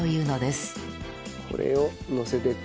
これをのせていく。